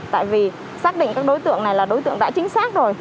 tại vì xác định các đối tượng này là đối tượng đã chính xác rồi